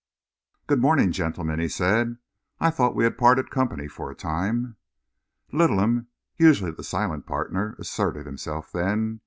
"Good morning, gentlemen," he said. "I thought we'd parted company for a time." Littleham, usually the silent partner, asserted himself then.